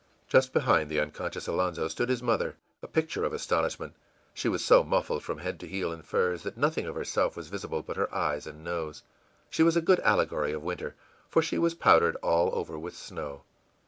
Just behind the unconscious Alonzo stood his mother, a picture of astonishment. She was so muffled from head to heel in furs that nothing of herself was visible but her eyes and nose. She was a good allegory of winter, for she was powdered all over with snow.